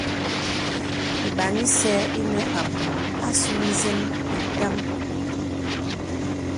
Lbàn ìsə̀ inə abū àsū nzə̀n itàm.